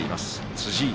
辻井。